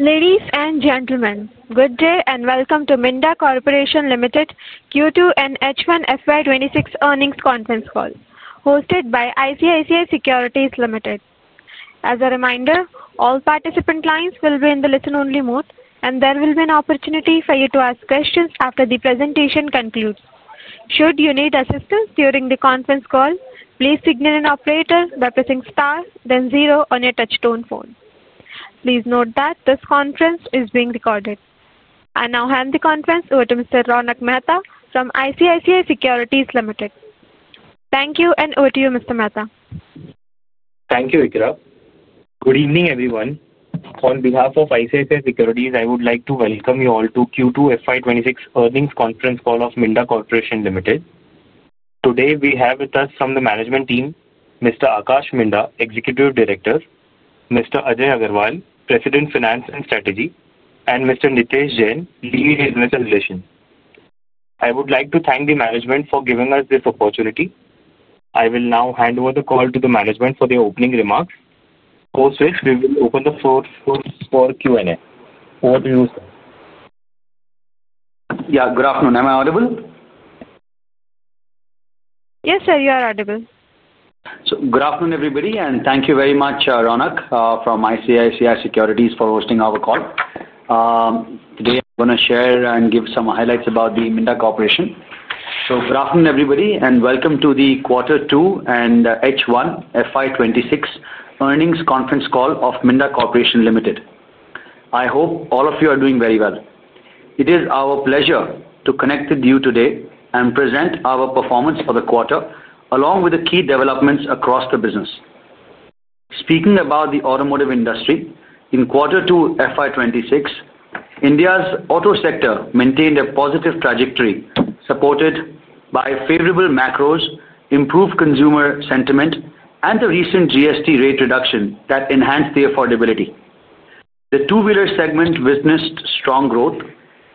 Ladies and gentlemen, good day and welcome to Minda Corporation Limited Q2 and H1 FY 2026 earnings conference call, hosted by ICICI Securities Limited. As a reminder, all participant lines will be in the listen-only mode, and there will be an opportunity for you to ask questions after the presentation concludes. Should you need assistance during the conference call, please signal an operator by pressing star, then zero on your touchstone phone. Please note that this conference is being recorded. I now hand the conference over to Mr. Ronak Mehta from ICICI Securities Limited. Thank you, and over to you, Mr. Mehta. Thank you, Ikra. Good evening, everyone. On behalf of ICICI Securities, I would like to welcome you all to Q2 FY 2026 earnings conference call of Minda Corporation Limited. Today, we have with us from the management team, Mr. Aakash Minda, Executive Director, Mr. Ajay Agarwal, President Finance and Strategy, and Mr. Nitesh Jain, Lead Business Relations. I would like to thank the management for giving us this opportunity. I will now hand over the call to the management for the opening remarks, post which we will open the floor for Q&A. Over to you, sir. Yeah, good afternoon. Am I audible? Yes, sir, you are audible. Good afternoon, everybody, and thank you very much, Ronak, from ICICI Securities for hosting our call. Today, I'm going to share and give some highlights about Minda Corporation. Good afternoon, everybody, and welcome to the Quarter two and H1 FY 2026 earnings conference call of Minda Corporation Limited. I hope all of you are doing very well. It is our pleasure to connect with you today and present our performance for the quarter, along with the key developments across the business. Speaking about the automotive industry, in Quarter two FY 2026, India's auto sector maintained a positive trajectory supported by favorable macros, improved consumer sentiment, and the recent GST rate reduction that enhanced the affordability. The two-wheeler segment witnessed strong growth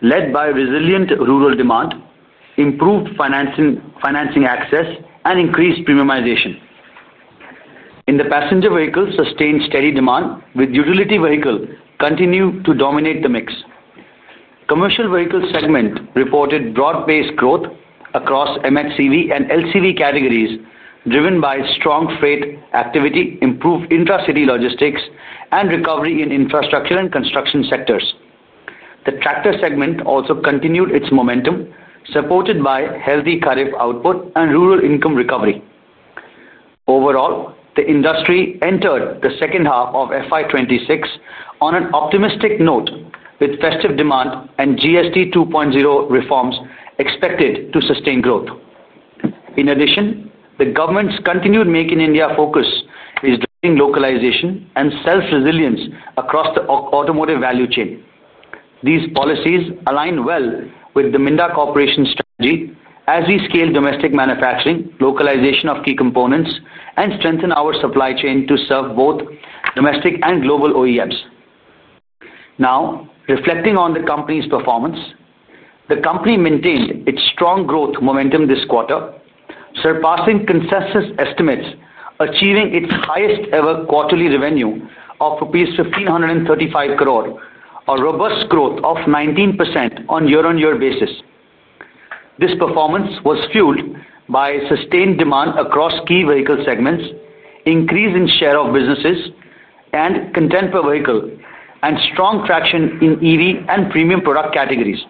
led by resilient rural demand, improved financing access, and increased premiumization. In the passenger vehicle, sustained steady demand, with utility vehicles continuing to dominate the mix. Commercial vehicle segment reported broad-based growth across MHCV and LCV categories, driven by strong freight activity, improved intra-city logistics, and recovery in infrastructure and construction sectors. The tractor segment also continued its momentum, supported by healthy tariff output and rural income recovery. Overall, the industry entered the second half of 2026 on an optimistic note, with festive demand and GST 2.0 reforms expected to sustain growth. In addition, the government's continued Make in India focus is driving localization and self-resilience across the automotive value chain. These policies align well with the Minda Corporation strategy as we scale domestic manufacturing, localization of key components, and strengthen our supply chain to serve both domestic and global OEMs. Now, reflecting on the company's performance, the company maintained its strong growth momentum this quarter, surpassing consensus estimates, achieving its highest-ever quarterly revenue of rupees 1,535 crore, a robust growth of 19% on a year-on-year basis. This performance was fueled by sustained demand across key vehicle segments, increase in share of businesses, and content per vehicle, and strong traction in EV and premium product categories.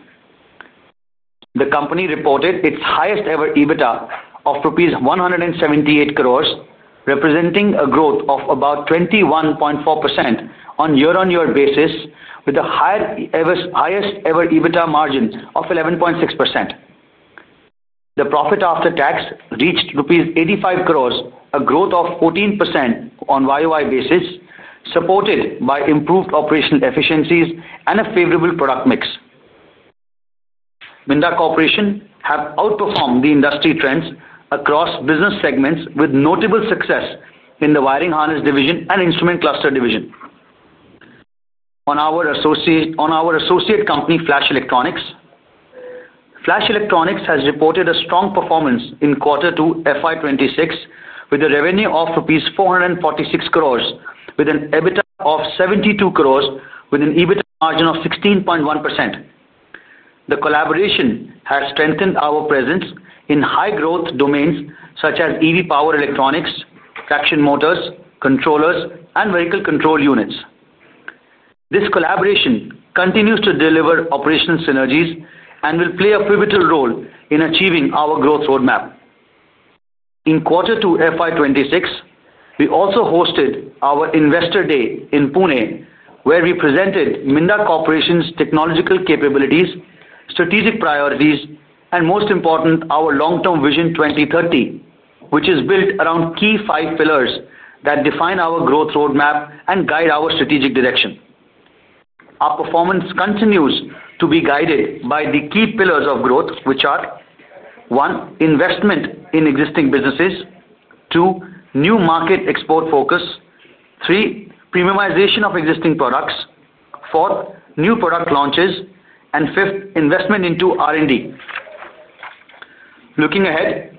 The company reported its highest-ever EBITDA of rupees 178 crore, representing a growth of about 21.4% on a year-on-year basis, with a highest-ever EBITDA margin of 11.6%. The profit after tax reached rupees 85 crore, a growth of 14% on a year-on-year basis, supported by improved operational efficiencies and a favorable product mix. Minda Corporation has outperformed the industry trends across business segments with notable success in the wiring harness division and instrument cluster division. On our associate company, Flash Electronics. Flash Electronics has reported a strong performance in Quarter two FY 2026, with a revenue of 446 crore rupees, with an EBITDA of 72 crore, with an EBITDA margin of 16.1%. The collaboration has strengthened our presence in high-growth domains such as EV power electronics, traction motors, controllers, and vehicle control units. This collaboration continues to deliver operational synergies and will play a pivotal role in achieving our growth roadmap. In Quarter two FY 2026, we also hosted our Investor Day in Pune, where we presented Minda Corporation's technological capabilities, strategic priorities, and most importantly, our long-term vision 2030, which is built around five key pillars that define our growth roadmap and guide our strategic direction. Our performance continues to be guided by the key pillars of growth, which are: one, investment in existing businesses; two, new market export focus; three, premiumization of existing products; four, new product launches; and five, investment into R&D. Looking ahead,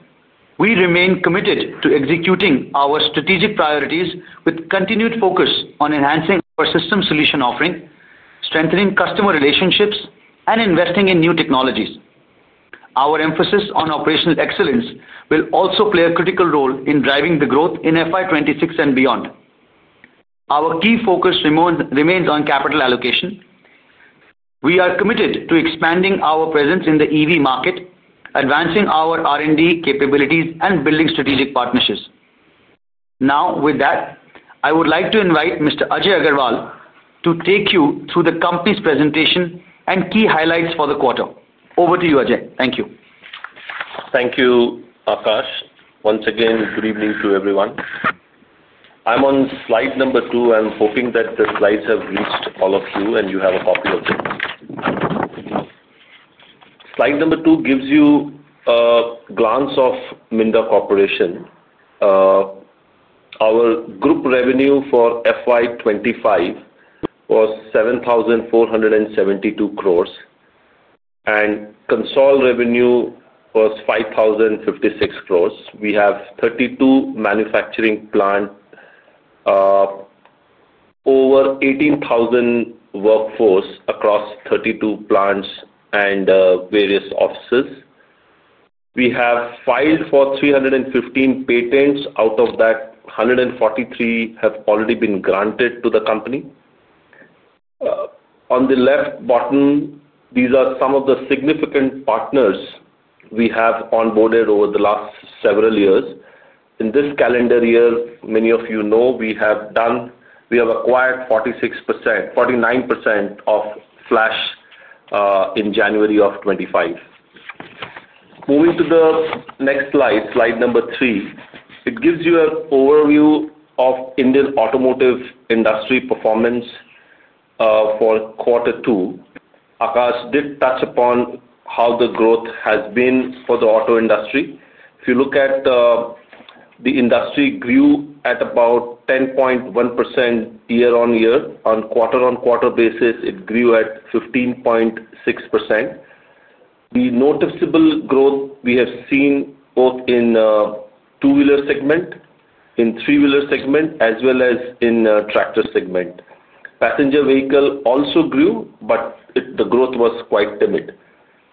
we remain committed to executing our strategic priorities with continued focus on enhancing our system solution offering, strengthening customer relationships, and investing in new technologies. Our emphasis on operational excellence will also play a critical role in driving the growth in FY 2026 and beyond. Our key focus remains on capital allocation. We are committed to expanding our presence in the EV market, advancing our R&D capabilities, and building strategic partnerships. Now, with that, I would like to invite Mr. Ajay Agarwal to take you through the company's presentation and key highlights for the quarter. Over to you, Ajay. Thank you. Thank you, Aakash. Once again, good evening to everyone. I'm on slide number two. I'm hoping that the slides have reached all of you and you have a copy of them. Slide number two gives you a glance of Minda Corporation. Our group revenue for FY 2025 was 7,472 crore and consol revenue was 5,056 crore. We have 32 manufacturing plants, over 18,000 workforce across 32 plants and various offices. We have filed for 315 patents. Out of that, 143 have already been granted to the company. On the left bottom, these are some of the significant partners we have onboarded over the last several years. In this calendar year, many of you know we have acquired 49% of Flash in January of 2025. Moving to the next slide, slide number three, it gives you an overview of Indian automotive industry performance for Quarter two. Aakash did touch upon how the growth has been for the auto industry. If you look at the industry, it grew at about 10.1% year-on-year. On a quarter-on-quarter basis, it grew at 15.6%. The noticeable growth we have seen both in the two-wheeler segment, in the three-wheeler segment, as well as in the tractor segment. Passenger vehicle also grew, but the growth was quite timid.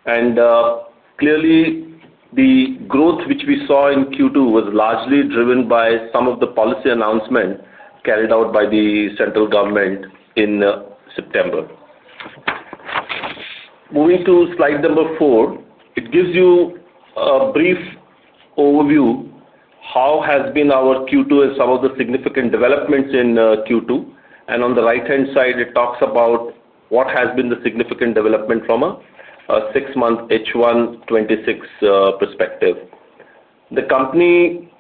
Clearly, the growth which we saw in Q2 was largely driven by some of the policy announcements carried out by the central government in September. Moving to slide number four, it gives you a brief overview of how has been our Q2 and some of the significant developments in Q2. On the right-hand side, it talks about what has been the significant development from a six-month H1 2026 perspective. The company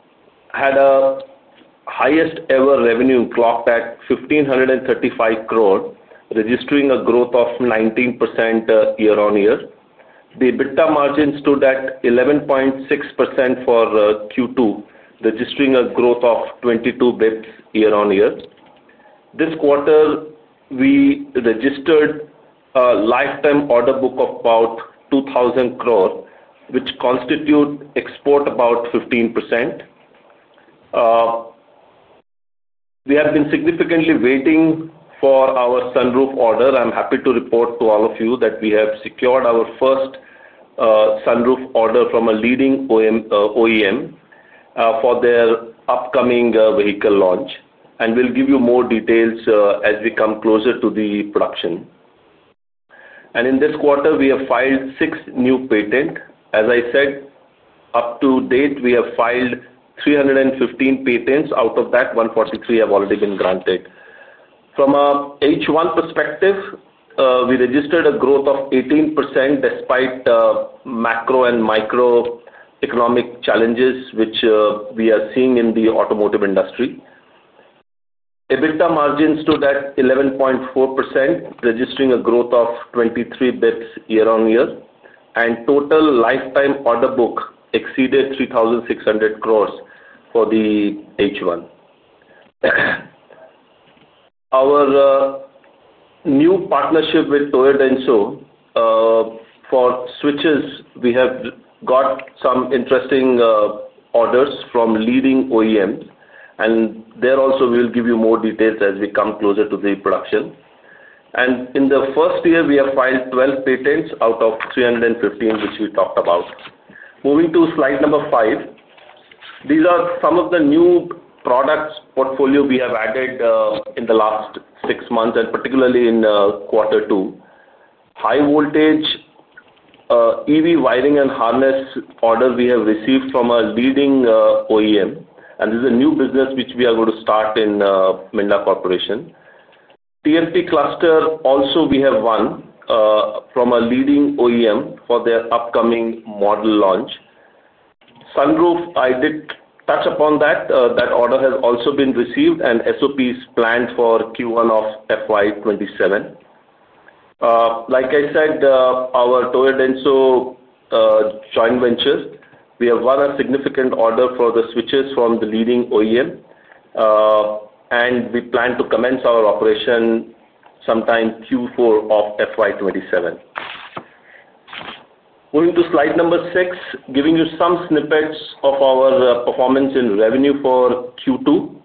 had a highest-ever revenue clocked at 1,535 crore, registering a growth of 19% year-on-year. The EBITDA margin stood at 11.6% for Q2, registering a growth of 22 basis points year-on-year. This quarter, we registered a lifetime order book of about 2,000 crore, which constitutes export about 15%. We have been significantly waiting for our sunroof order. I'm happy to report to all of you that we have secured our first sunroof order from a leading OEM for their upcoming vehicle launch. We will give you more details as we come closer to the production. In this quarter, we have filed six new patents. As I said, up to date, we have filed 315 patents. Out of that, 143 have already been granted. From an H1 perspective, we registered a growth of 18% despite macro and microeconomic challenges which we are seeing in the automotive industry. EBITDA margin stood at 11.4%, registering a growth of 23 basis points year-on-year. Total lifetime order book exceeded 3,600 crore for the H1. Our new partnership with Toyota, and for switches, we have got some interesting orders from leading OEMs. There also, we will give you more details as we come closer to the production. In the first year, we have filed 12 patents out of 315, which we talked about. Moving to slide number five, these are some of the new products portfolio we have added in the last six months, and particularly in Quarter two. High-voltage EV wiring and harness order we have received from a leading OEM, and this is a new business which we are going to start in Minda Corporation. TFT cluster, also we have won from a leading OEM for their upcoming model launch. Sunroof, I did touch upon that. That order has also been received, and SOP is planned for Q1 of FY 2027. Like I said, our Toyota and so. Joint ventures, we have won a significant order for the switches from the leading OEM. We plan to commence our operation sometime Q4 of FY 2027. Moving to slide number six, giving you some snippets of our performance in revenue for Q2.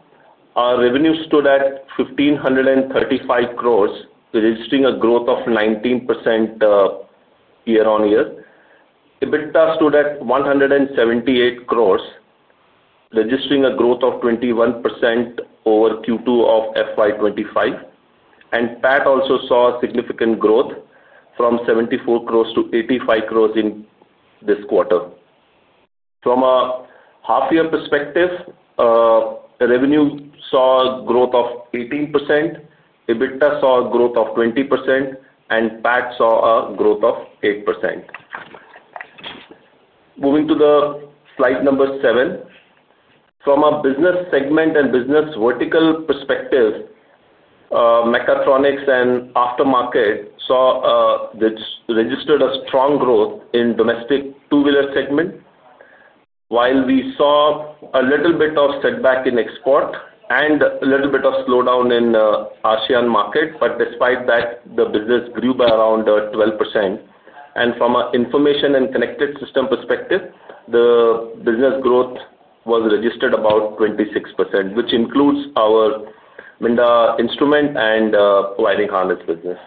Our revenue stood at 1,535 crore, registering a growth of 19% year-on-year. EBITDA stood at 178 crore, registering a growth of 21% over Q2 of FY 2025. PAT also saw significant growth from 74 crore to 85 crore in this quarter. From a half-year perspective, revenue saw a growth of 18%. EBITDA saw a growth of 20%, and PAT saw a growth of 8%. Moving to the slide number seven. From a business segment and business vertical perspective, mechatronics and aftermarket saw. Registered a strong growth in the domestic two-wheeler segment. While we saw a little bit of setback in export and a little bit of slowdown in the ASEAN market, despite that, the business grew by around 12%. From an information and connected system perspective, the business growth was registered at about 26%, which includes our Minda instrument and wiring harness business.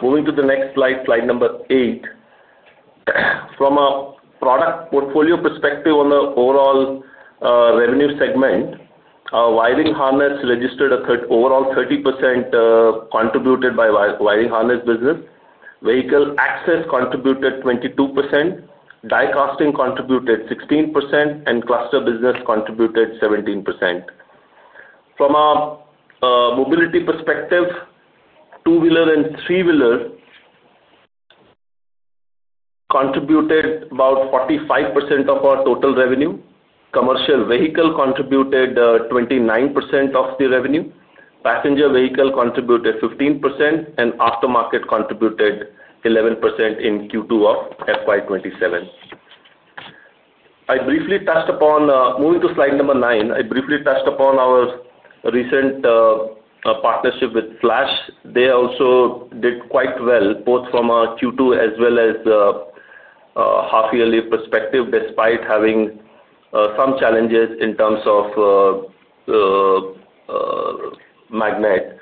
Moving to the next slide, slide number eight. From a product portfolio perspective on the overall revenue segment, wiring harness registered overall 30%, contributed by wiring harness business. Vehicle access contributed 22%. Die casting contributed 16%, and cluster business contributed 17%. From a mobility perspective, two-wheeler and three-wheeler contributed about 45% of our total revenue. Commercial vehicle contributed 29% of the revenue. Passenger vehicle contributed 15%, and aftermarket contributed 11% in Q2 of FY 2027. I briefly touched upon moving to slide number nine, I briefly touched upon our recent partnership with Flash. They also did quite well, both from a Q2 as well as half-yearly perspective, despite having some challenges in terms of magnet.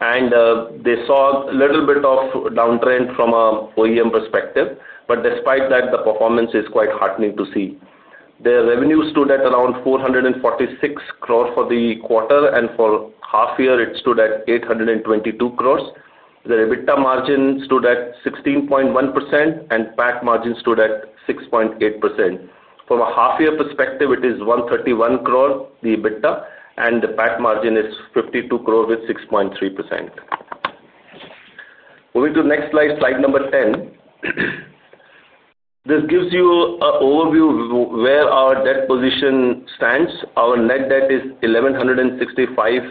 They saw a little bit of downtrend from an OEM perspective. Despite that, the performance is quite heartening to see. Their revenue stood at around 446 crore for the quarter, and for half-year, it stood at 822 crore. The EBITDA margin stood at 16.1%, and PAT margin stood at 6.8%. From a half-year perspective, it is 131 crore, the EBITDA, and the PAT margin is 52 crore with 6.3%. Moving to the next slide, slide number 10. This gives you an overview of where our debt position stands. Our net debt is 1,165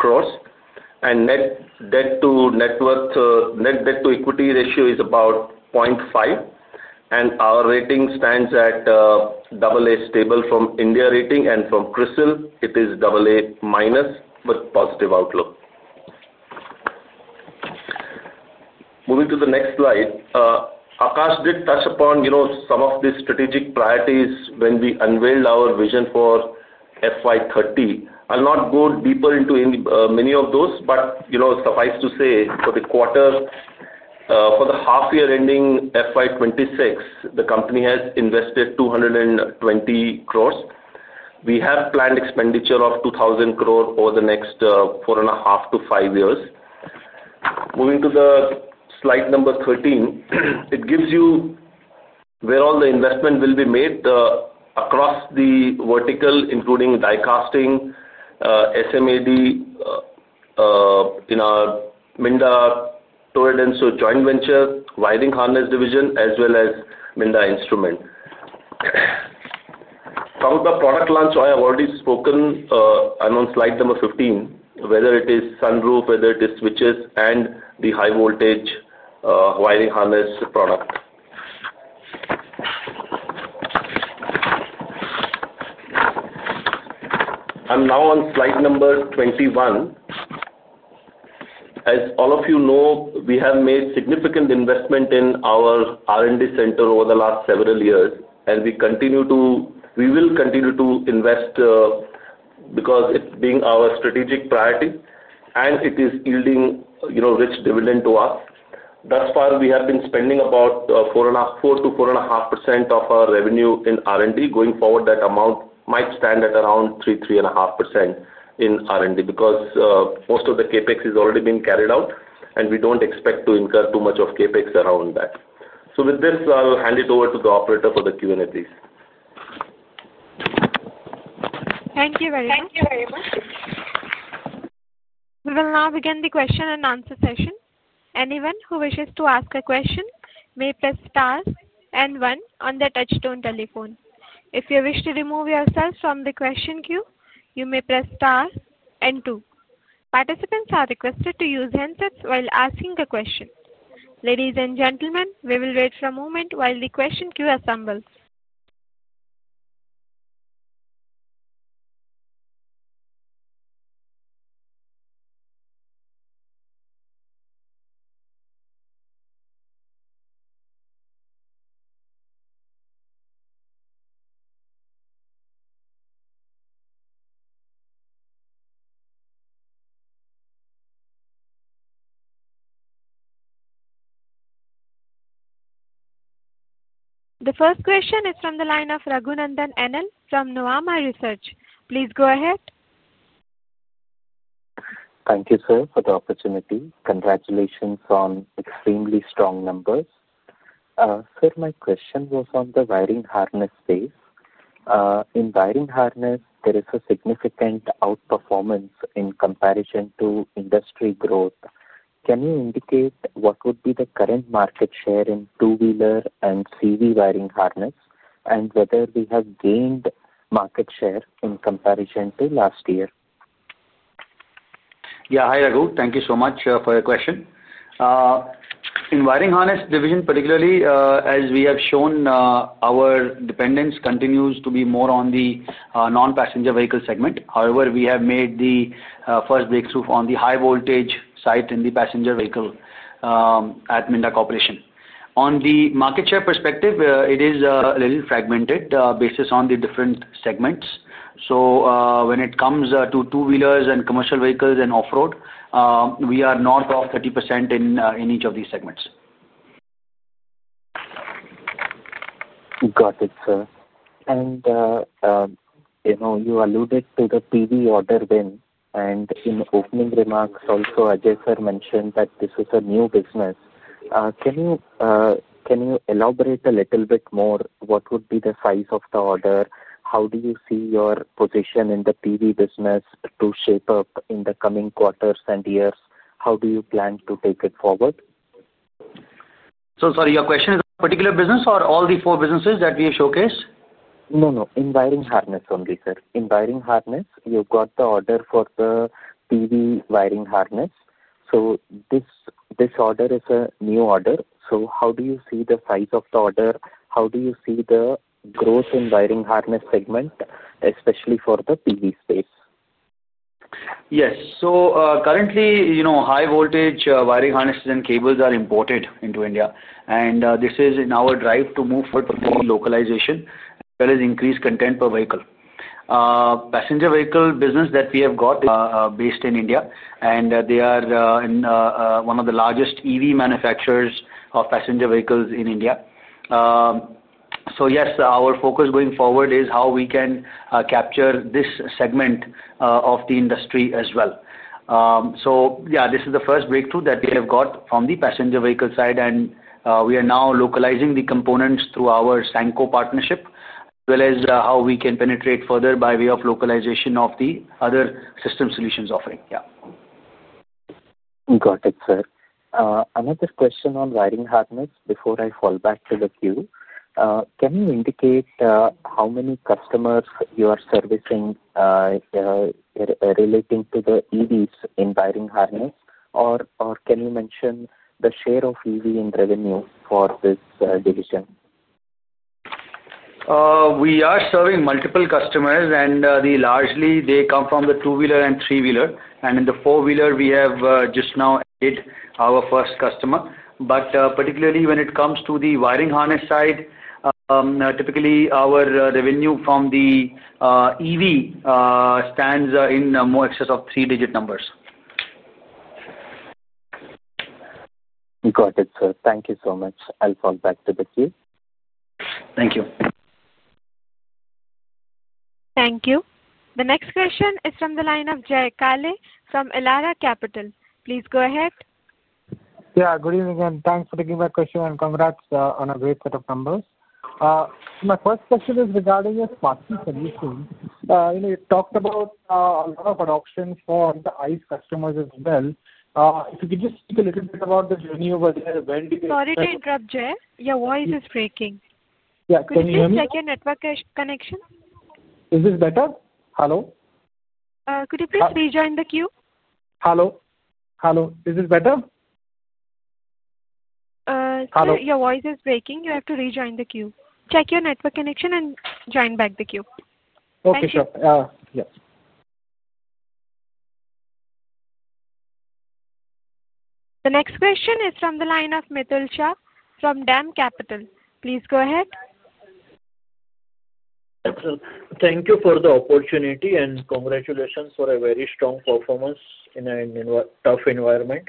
crore. Net debt to equity ratio is about 0.5. Our rating stands at AA stable from India Ratings. From CRISIL, it is AA- with positive outlook. Moving to the next slide. Aakash did touch upon some of the strategic priorities when we unveiled our vision for FY 2030. I'll not go deeper into many of those, but suffice to say, for the quarter, for the half-year ending FY 2026, the company has invested 220 crore. We have planned expenditure of 2,000 crore over the next four and a half to five years. Moving to slide number 13, it gives you where all the investment will be made across the vertical, including die casting, SMAD, in our Minda Toyota and joint venture, wiring harness division, as well as Minda instrument. From the product launch, I have already spoken on slide number 15, whether it is sunroof, whether it is switches, and the high-voltage wiring harness product. I'm now on slide number 21. As all of you know, we have made significant investment in our R&D center over the last several years. We will continue to invest because it's been our strategic priority, and it is yielding rich dividend to us. Thus far, we have been spending about 4-4.5% of our revenue in R&D. Going forward, that amount might stand at around 3-3.5% in R&D because most of the CapEx has already been carried out, and we don't expect to incur too much of CapEx around that. With this, I'll hand it over to the operator for the Q&A, please. Thank you very much. Thank you very much. We will now begin the question-and-answer session. Anyone who wishes to ask a question may press star and one on the touchstone telephone. If you wish to remove yourself from the question queue, you may press star and two. Participants are requested to use handsets while asking a question. Ladies and gentlemen, we will wait for a moment while the question queue assembles. The first question is from the line of Raghunandhan NL from Nuvama Research. Please go ahead. Thank you, sir, for the opportunity. Congratulations on extremely strong numbers. Sir, my question was on the wiring harness space. In wiring harness, there is a significant outperformance in comparison to industry growth. Can you indicate what would be the current market share in two-wheeler and CV wiring harness, and whether we have gained market share in comparison to last year? Yeah, hi Raghu. Thank you so much for your question. In wiring harness division, particularly, as we have shown, our dependence continues to be more on the non-passenger vehicle segment. However, we have made the first breakthrough on the high-voltage side in the passenger vehicle at Minda Corporation. On the market share perspective, it is a little fragmented based on the different segments. When it comes to two-wheelers and commercial vehicles and off-road, we are north of 30% in each of these segments. Got it, sir. You alluded to the PV order win. In opening remarks, also, Ajay sir mentioned that this is a new business. Can you elaborate a little bit more? What would be the size of the order? How do you see your position in the PV business to shape up in the coming quarters and years? How do you plan to take it forward? Sorry, your question is a particular business or all the four businesses that we have showcased? No, no. In wiring harness only, sir. In wiring harness, you have got the order for the PV wiring harness. This order is a new order. How do you see the size of the order? How do you see the growth in wiring harness segment, especially for the PV space? Yes. Currently, high-voltage wiring harnesses and cables are imported into India. This is in our drive to move forward for PV localization, as well as increase content per vehicle. Passenger vehicle business that we have got is based in India, and they are one of the largest EV manufacturers of passenger vehicles in India. Yes, our focus going forward is how we can capture this segment of the industry as well. This is the first breakthrough that we have got from the passenger vehicle side, and we are now localizing the components through our Sanco partnership, as well as how we can penetrate further by way of localization of the other system solutions offering. Got it, sir. Another question on wiring harness before I fall back to the queue. Can you indicate how many customers you are servicing, relating to the EVs in wiring harness? Or can you mention the share of EV in revenue for this division? We are serving multiple customers, and largely, they come from the two-wheeler and three-wheeler. In the four-wheeler, we have just now added our first customer. Particularly when it comes to the wiring harness side, typically, our revenue from the EV stands in more excess of three-digit numbers. Got it, sir. Thank you so much. I'll fall back to the queue. Thank you. Thank you. The next question is from the line of Jay Kale from Elara Capital. Please go ahead. Yeah, good evening and thanks for taking my question and congrats on a great set of numbers. My first question is regarding your smartphone solution. You talked about a lot of adoption for the ICE customers as well. If you could just speak a little bit about the journey over there, when did it. Sorry to interrupt, Jay. Your voice is breaking. Yeah. Can you hear me? Could you please check your network connection? Is this better? Hello? Could you please rejoin the queue? Hello. Hello. Is this better? Your voice is breaking. You have to rejoin the queue. Check your network connection and join back the queue. Okay, sure. Yeah. The next question is from the line of Mitul Shah from DAM Capital. Please go ahead. Thank you for the opportunity and congratulations for a very strong performance in a tough environment.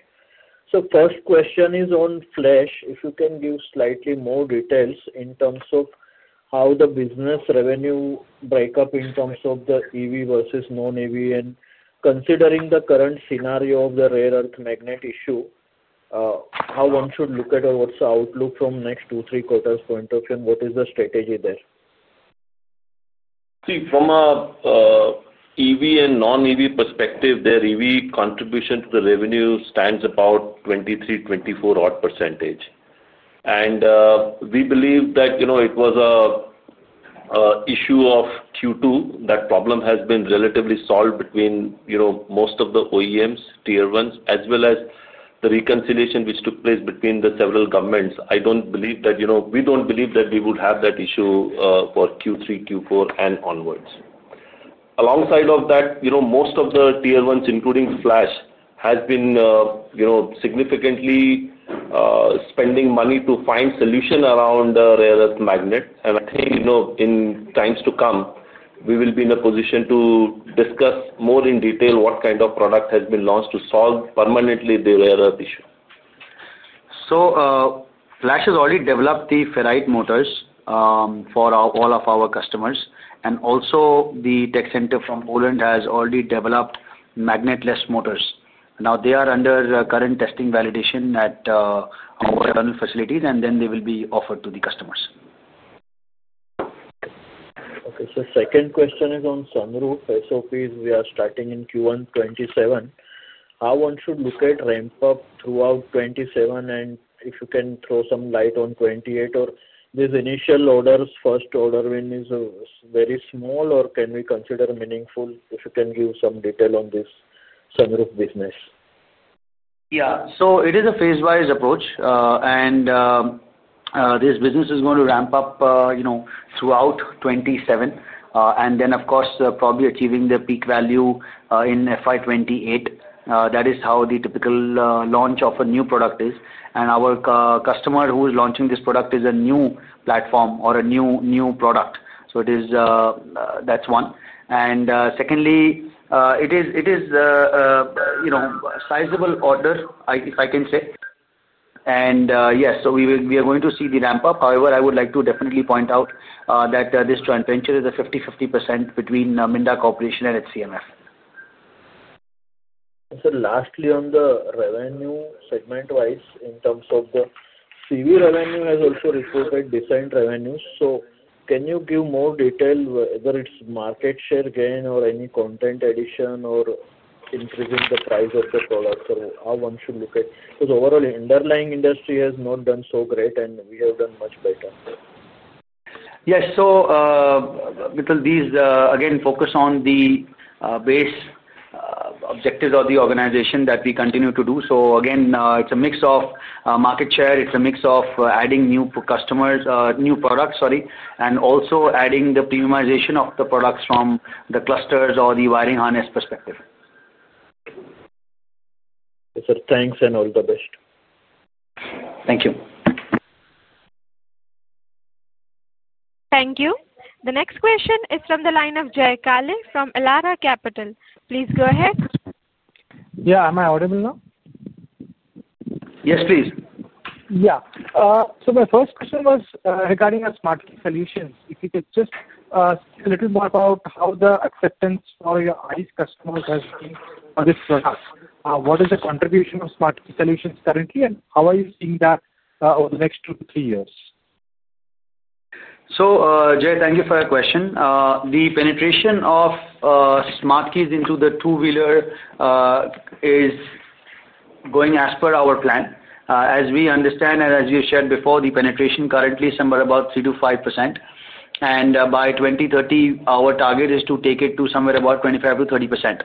First question is on Flash. If you can give slightly more details in terms of how the business revenue breakup in terms of the EV versus non-EV, and considering the current scenario of the rare earth magnet issue. How one should look at or what's the outlook from next two, three quarters point of view, and what is the strategy there? See, from an EV and non-EV perspective, their EV contribution to the revenue stands about 23%-24% odd. We believe that it was an issue of Q2. That problem has been relatively solved between most of the OEMs, tier ones, as well as the reconciliation which took place between the several governments. I don't believe that we don't believe that we would have that issue for Q3, Q4, and onwards. Alongside of that, most of the tier ones, including Flash, have been significantly spending money to find solutions around rare earth magnets. I think in times to come, we will be in a position to discuss more in detail what kind of product has been launched to solve permanently the rare earth issue. Flash has already developed the ferrite motors for all of our customers. Also, the tech center from Poland has already developed magnetless motors. Now, they are under current testing validation at our internal facilities, and then they will be offered to the customers. Okay. Second question is on sunroof SOPs. We are starting in Q1 2027. How should one look at ramp-up throughout 2027? If you can throw some light on 2028, or this initial order, first order win is very small, or can we consider meaningful? If you can give some detail on this sunroof business? Yeah. It is a phase-wise approach. This business is going to ramp up throughout 2027, probably achieving the peak value in FY 2028. That is how the typical launch of a new product is. Our customer who is launching this product is a new platform or a new product. That is one. Secondly, it is a sizable order, if I can say. Yes, we are going to see the ramp-up. However, I would like to definitely point out that this joint venture is a 50%/50% between Minda Corporation and HCMF. Lastly, on the revenue segment-wise, in terms of the CV revenue, has also reported decent revenues. Can you give more detail, whether it's market share gain or any content addition or increasing the price of the product? How one should look at it? Because overall, the underlying industry has not done so great, and we have done much better. Yes. Again, focus on the base objectives of the organization that we continue to do. Again, it's a mix of market share, it's a mix of adding new products, sorry, and also adding the premiumization of the products from the clusters or the wiring harness perspective. Thanks, and all the best. Thank you. Thank you. The next question is from the line of Jay Kale from Elara Capital. Please go ahead. Yeah. Am I audible now? Yes, please. Yeah. So my first question was regarding your smartphone solutions. If you could just speak a little more about how the acceptance for your ICE customers has been for this product. What is the contribution of smartphone solutions currently, and how are you seeing that over the next two to three years? Jay, thank you for your question. The penetration of smart keys into the two-wheeler is going as per our plan. As we understand, and as you shared before, the penetration currently is somewhere about 3%-5%. By 2030, our target is to take it to somewhere about 25%-30%.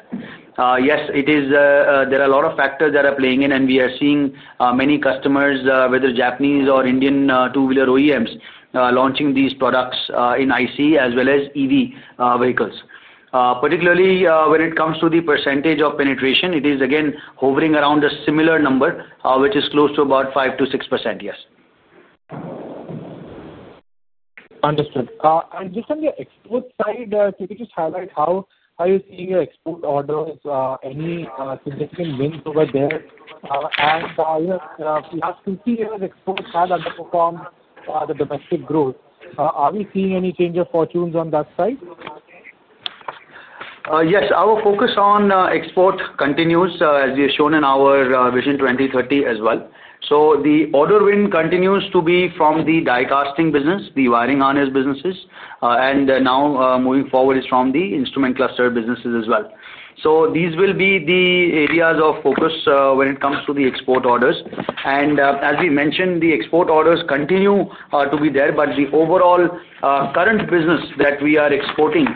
Yes, there are a lot of factors that are playing in, and we are seeing many customers, whether Japanese or Indian two-wheeler OEMs, launching these products in ICE as well as EV vehicles. Particularly when it comes to the percentage of penetration, it is, again, hovering around a similar number, which is close to about 5%-6%, yes. Understood. Just on the export side, could you highlight how you are seeing your export orders, any significant wins over there? In the last 15 years, exports have underperformed the domestic growth. Are we seeing any change of fortunes on that side? Yes. Our focus on export continues, as we have shown in our vision 2030 as well. The order win continues to be from the diecasting business, the wiring harness businesses, and now moving forward is from the instrument cluster businesses as well. These will be the areas of focus when it comes to the export orders. As we mentioned, the export orders continue to be there, but the overall current business that we are exporting,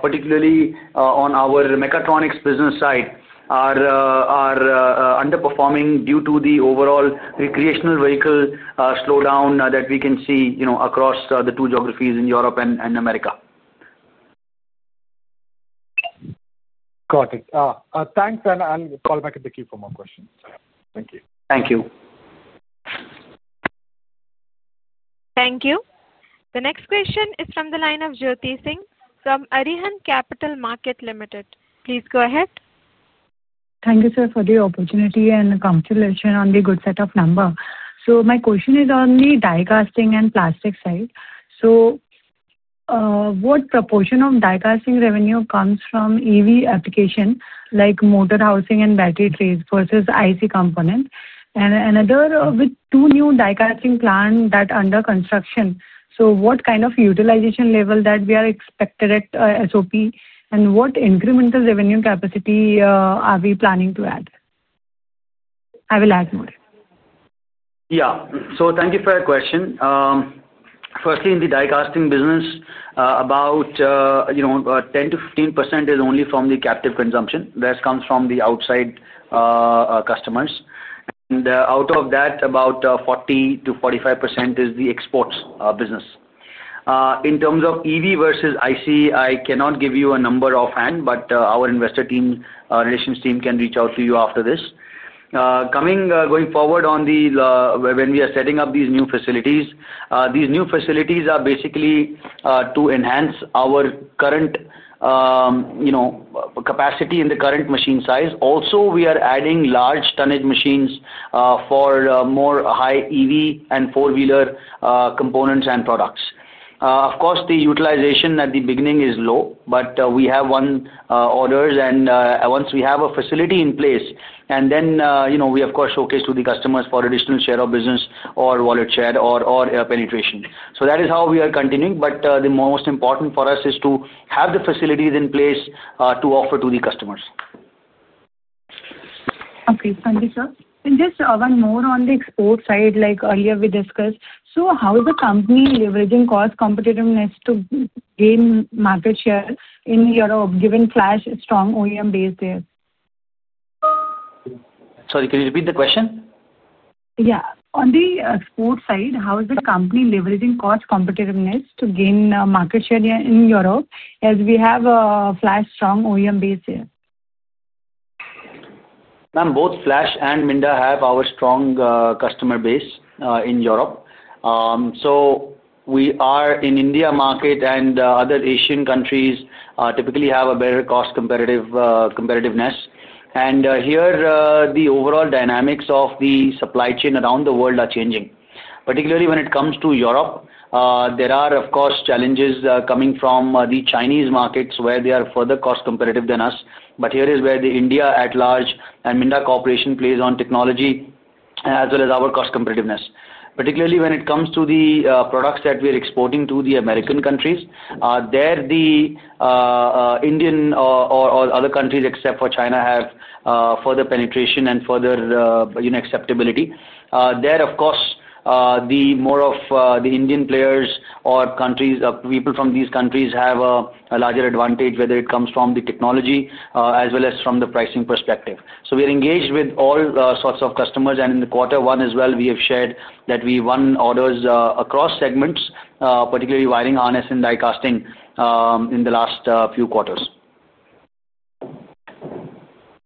particularly on our mechatronics business side, is underperforming due to the overall recreational vehicle slowdown that we can see across the two geographies in Europe and America. Got it. Thanks. I'll fall back into the queue for more questions. Thank you. Thank you. Thank you. The next question is from the line of Jyoti Singh from Arihant Capital Markets Limited. Please go ahead. Thank you, sir, for the opportunity and the congratulations on the good set of numbers. My question is on the die-casting and plastic side. What proportion of die-casting revenue comes from EV application, like motor housing and battery trays versus IC components? With two new die-casting plants that are under construction, what kind of utilization level are we expected at SOP, and what incremental revenue capacity are we planning to add? I will add more. Yeah. Thank you for your question. Firstly, in the diecasting business, about 10%-15% is only from the captive consumption. The rest comes from the outside customers. Out of that, about 40%-45% is the exports business. In terms of EV versus IC, I cannot give you a number offhand, but our investor relations team can reach out to you after this. Going forward, when we are setting up these new facilities, these new facilities are basically to enhance our current capacity in the current machine size. Also, we are adding large tonnage machines for more high EV and four-wheeler components and products. Of course, the utilization at the beginning is low, but we have won orders. Once we have a facility in place, we, of course, showcase to the customers for additional share of business or wallet share or penetration. That is how we are continuing. The most important for us is to have the facilities in place to offer to the customers. Okay. Thank you, sir. Just one more on the export side, like earlier we discussed. How is the company leveraging cost competitiveness to gain market share in your given Flash strong OEM base there? Sorry, can you repeat the question? Yeah. On the export side, how is the company leveraging cost competitiveness to gain market share in Europe as we have a Flash strong OEM base there? Ma'am, both Flash and Minda have our strong customer base in Europe. We are in India market, and other Asian countries typically have a better cost competitiveness. Here, the overall dynamics of the supply chain around the world are changing. Particularly when it comes to Europe, there are, of course, challenges coming from the Chinese markets where they are further cost competitive than us. Here is where India at large and Minda Corporation plays on technology as well as our cost competitiveness. Particularly when it comes to the products that we are exporting to the American countries, there the Indian or other countries except for China have further penetration and further acceptability. There, of course, more of the Indian players or people from these countries have a larger advantage, whether it comes from the technology as well as from the pricing perspective. We are engaged with all sorts of customers. In the quarter one as well, we have shared that we won orders across segments, particularly wiring harness and diecasting in the last few quarters.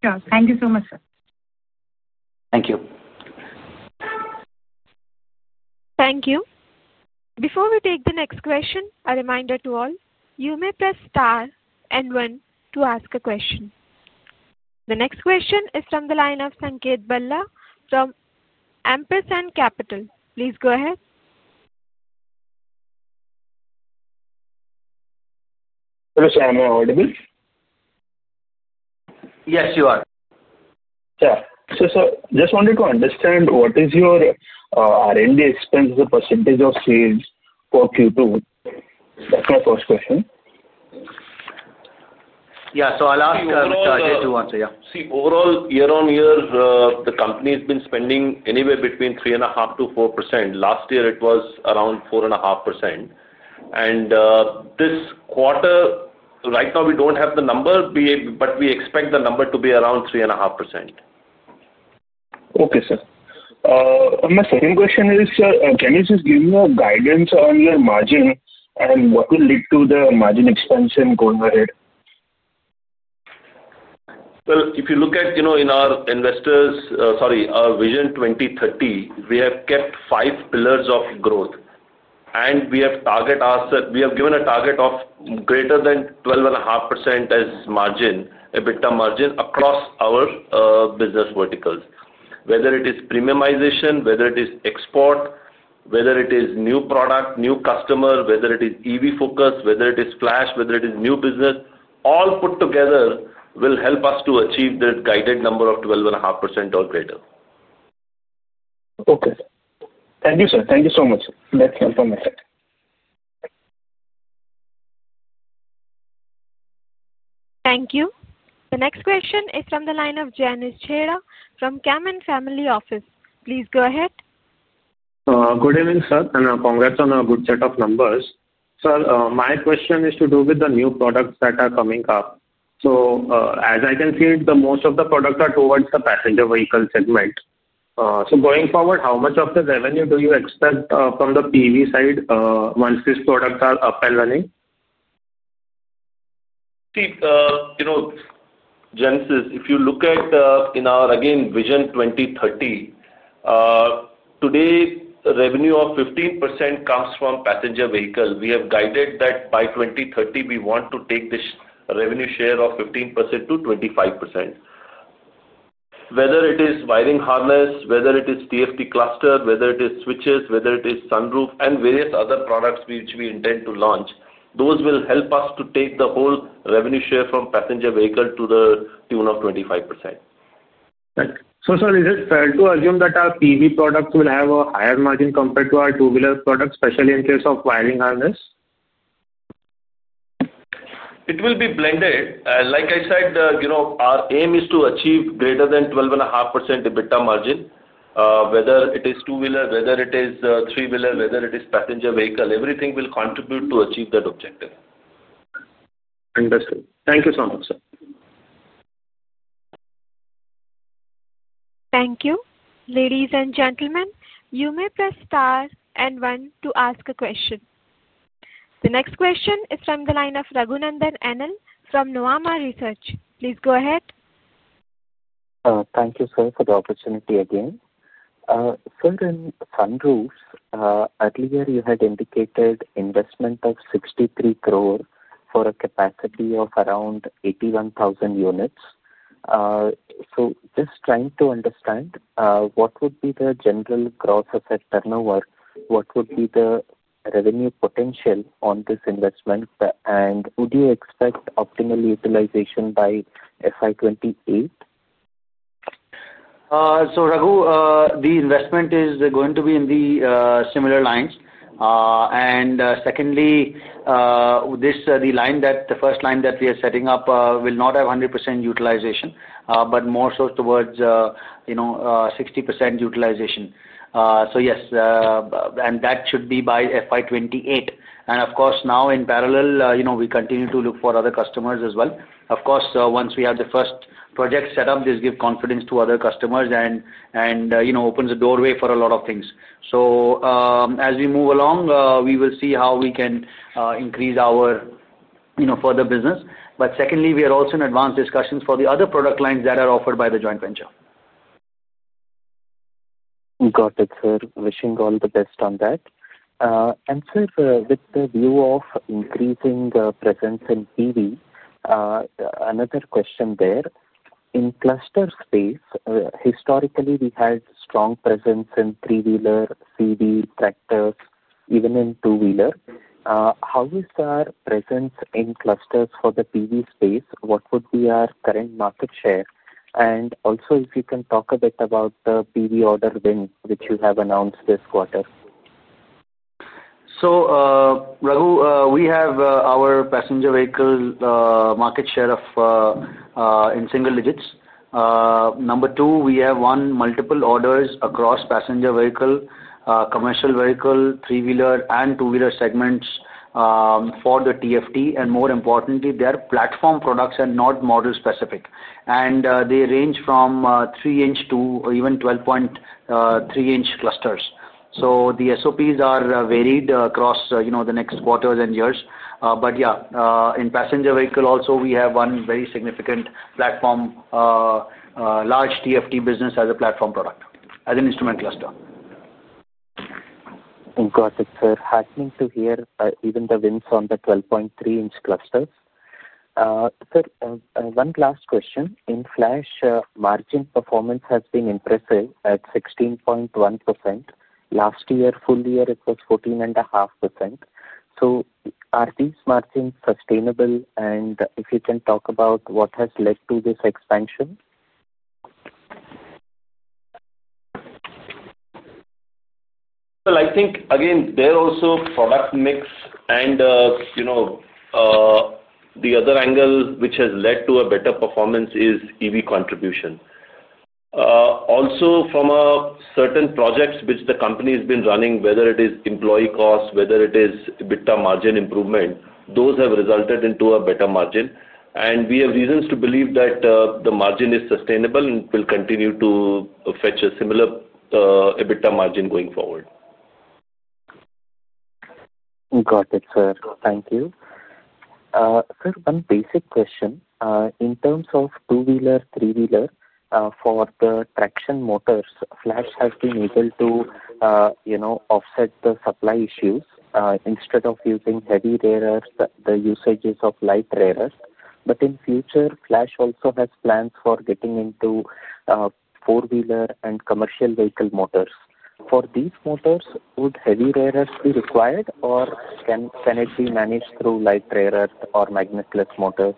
Yeah. Thank you so much, sir. Thank you. Thank you. Before we take the next question, a reminder to all, you may press star and one to ask a question. The next question is from the line of Sanket Balla from Ampersand Capital. Please go ahead. Hello, sir. Am I audible? Yes, you are. Yeah. So sir, just wanted to understand what is your R&D expense as a percentage of sales for Q2? That's my first question. Yeah. I'll ask Ajay to answer. Yeah. See, overall, year on year, the company has been spending anywhere between 3.5%-4%. Last year, it was around 4.5%. This quarter, right now, we do not have the number, but we expect the number to be around 3.5%. Okay, sir. My second question is, can you just give me a guidance on your margin and what will lead to the margin expansion going ahead? If you look at in our investors', sorry, our vision 2030, we have kept five pillars of growth. We have given a target of greater than 12.5% as EBITDA margin across our business verticals. Whether it is premiumization, whether it is export, whether it is new product, new customer, whether it is EV focus, whether it is Flash, whether it is new business, all put together will help us to achieve the guided number of 12.5% or greater. Okay. Thank you, sir. Thank you so much. That's all from my side. Thank you. The next question is from the line of [Janice Chera] from Cammon Family Office. Please go ahead. Good evening, sir. And congrats on a good set of numbers. Sir, my question is to do with the new products that are coming up. As I can see, most of the products are towards the passenger vehicle segment. Going forward, how much of the revenue do you expect from the PV side once these products are up and running? See, Genesis, if you look at in our, again, vision 2030. Today, revenue of 15% comes from passenger vehicles. We have guided that by 2030, we want to take this revenue share of 15%-25%. Whether it is wiring harness, whether it is TFT cluster, whether it is switches, whether it is sunroof, and various other products which we intend to launch, those will help us to take the whole revenue share from passenger vehicle to the tune of 25%. Right. So sir, is it fair to assume that our PV products will have a higher margin compared to our two-wheeler products, especially in case of wiring harness? It will be blended. Like I said, our aim is to achieve greater than 12.5% EBITDA margin. Whether it is two-wheeler, whether it is three-wheeler, whether it is passenger vehicle, everything will contribute to achieve that objective. Understood. Thank you so much, sir. Thank you. Ladies and gentlemen, you may press star and one to ask a question. The next question is from the line of Raghunandhan NL from Nuvama Research. Please go ahead. Thank you, sir, for the opportunity again. Sir, in sunroofs, earlier you had indicated investment of 63 crore for a capacity of around 81,000 units. Just trying to understand, what would be the general gross asset turnover, what would be the revenue potential on this investment, and would you expect optimal utilization by FY 2028? Raghu, the investment is going to be in the similar lines. Secondly, the first line that we are setting up will not have 100% utilization, but more so towards 60% utilization. Yes, and that should be by FY 2028. Of course, now in parallel, we continue to look for other customers as well. Of course, once we have the first project set up, this gives confidence to other customers and opens the doorway for a lot of things. As we move along, we will see how we can increase our further business. Secondly, we are also in advanced discussions for the other product lines that are offered by the joint venture. Got it, sir. Wishing all the best on that. Sir, with the view of increasing the presence in PV. Another question there. In cluster space, historically, we had strong presence in three-wheeler, CV, tractors, even in two-wheeler. How is our presence in clusters for the PV space? What would be our current market share? Also, if you can talk a bit about the PV order win, which you have announced this quarter. Raghu, we have our passenger vehicle market share in single digits. Number two, we have won multiple orders across passenger vehicle, commercial vehicle, three-wheeler, and two-wheeler segments. For the TFT, and more importantly, they are platform products and not model specific. They range from 3 in to even 12.3 in clusters. The SOPs are varied across the next quarters and years. Yeah, in passenger vehicle also, we have won very significant platform. Large TFT business as a platform product as an instrument cluster. Got it, sir. Heartening to hear even the wins on the 12.3 in clusters. Sir, one last question. In Flash, margin performance has been impressive at 16.1%. Last year, full year, it was 14.5%. Are these margins sustainable? If you can talk about what has led to this expansion? I think, again, they're also product mix. The other angle which has led to a better performance is EV contribution. Also, from certain projects which the company has been running, whether it is employee cost, whether it is EBITDA margin improvement, those have resulted into a better margin. We have reasons to believe that the margin is sustainable and will continue to fetch a similar EBITDA margin going forward. Got it, sir. Thank you. Sir, one basic question. In terms of two-wheeler, three-wheeler, for the traction motors, Flash has been able to offset the supply issues instead of using heavy rare earths, the usage of light rare earths. In future, Flash also has plans for getting into four-wheeler and commercial vehicle motors. For these motors, would heavy rare earths be required, or can it be managed through light rare earths or magnetless motors?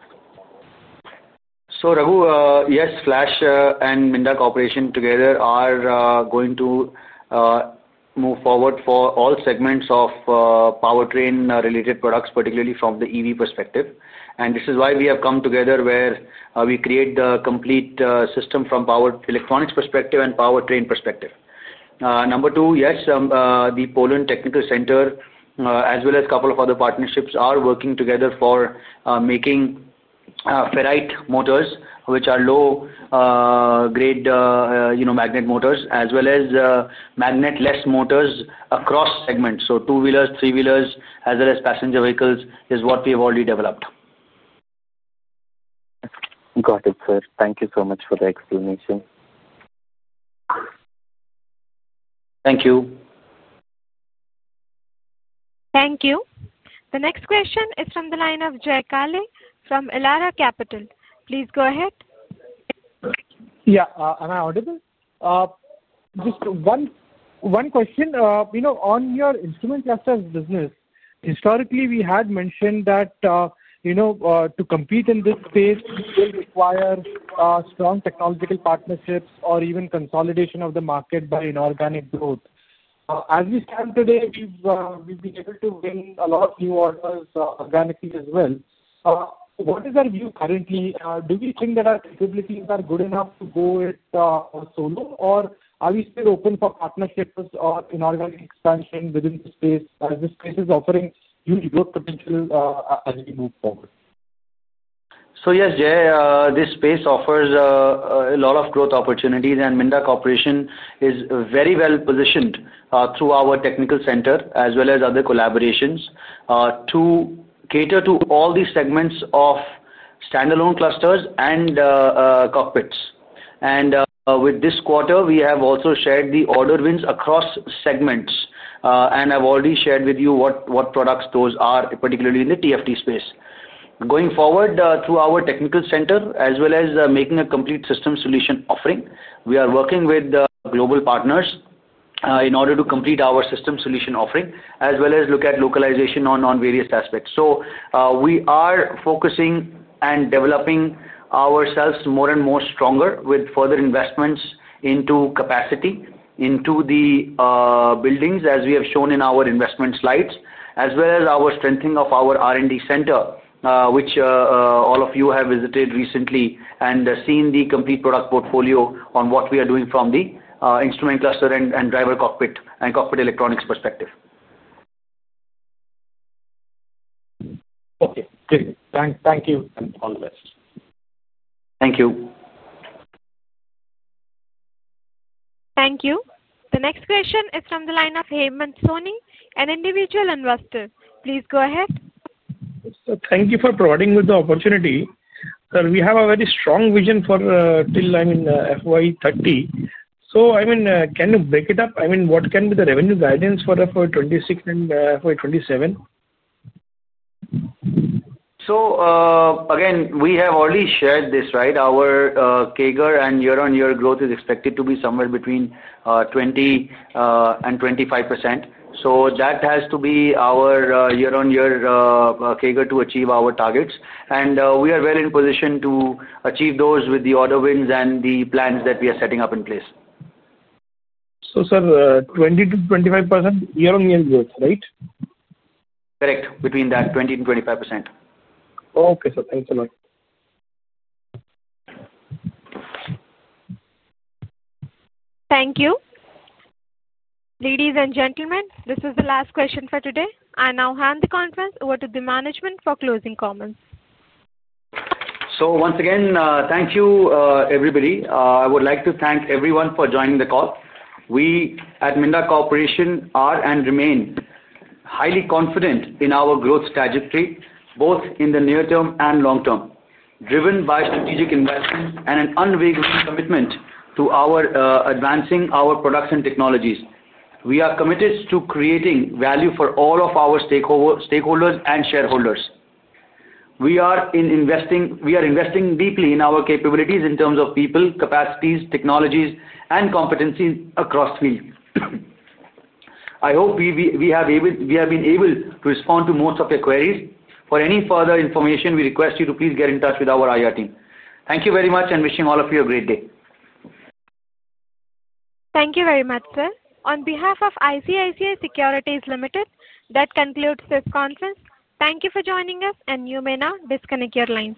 Raghu, yes, Flash and Minda Corporation together are going to move forward for all segments of powertrain-related products, particularly from the EV perspective. This is why we have come together where we create the complete system from a power electronics perspective and powertrain perspective. Number two, yes, the Poland Technical Center, as well as a couple of other partnerships, are working together for making ferrite motors, which are low-grade magnet motors, as well as magnetless motors across segments. Two-wheelers, three-wheelers, as well as passenger vehicles, is what we have already developed. Got it, sir. Thank you so much for the explanation. Thank you. Thank you. The next question is from the line of Jay Kale from Elara Capital. Please go ahead. Yeah. Am I audible? Just one question. On your instrument clusters business, historically, we had mentioned that. To compete in this space, we will require strong technological partnerships or even consolidation of the market by inorganic growth. As we stand today, we've been able to win a lot of new orders organically as well. What is our view currently? Do we think that our capabilities are good enough to go solo, or are we still open for partnerships or inorganic expansion within the space as the space is offering huge growth potential as we move forward? Yes, Jay, this space offers a lot of growth opportunities, and Minda Corporation is very well positioned through our technical center as well as other collaborations. To cater to all these segments of stand-alone clusters and cockpits. With this quarter, we have also shared the order wins across segments. I have already shared with you what products those are, particularly in the TFT space. Going forward, through our technical center, as well as making a complete system solution offering, we are working with global partners in order to complete our system solution offering, as well as look at localization on various aspects. We are focusing and developing ourselves more and more stronger with further investments into capacity, into the. Buildings, as we have shown in our investment slides, as well as our strengthening of our R&D center, which all of you have visited recently and seen the complete product portfolio on what we are doing from the instrument cluster and driver cockpit and cockpit electronics perspective. Okay. Thank you. Thank you. Thank you. The next question is from the line of Hayman Sony, an individual investor. Please go ahead. Thank you for providing me with the opportunity. Sir, we have a very strong vision for till, I mean, FY 2030. So, I mean, can you break it up? I mean, what can be the revenue guidance for FY 2026 and FY 2027? We have already shared this, right? Our CAGR and year-on-year growth is expected to be somewhere between 20%-25%. That has to be our year-on-year CAGR to achieve our targets. We are well in position to achieve those with the order wins and the plans that we are setting up in place. Sir, 20%-25% year-on-year growth, right? Correct. Between that, 20%-25%. Okay, sir. Thanks so much. Thank you. Ladies and gentlemen, this is the last question for today. I now hand the conference over to the management for closing comments. Once again, thank you, everybody. I would like to thank everyone for joining the call. We at Minda Corporation are and remain highly confident in our growth trajectory, both in the near term and long term, driven by strategic investment and an unwavering commitment to advancing our production technologies. We are committed to creating value for all of our stakeholders and shareholders. We are investing deeply in our capabilities in terms of people, capacities, technologies, and competencies across the field. I hope we have been able to respond to most of your queries. For any further information, we request you to please get in touch with our IR team. Thank you very much, and wishing all of you a great day. Thank you very much, sir. On behalf of ICICI Securities Limited, that concludes this conference. Thank you for joining us, and you may now disconnect your lines.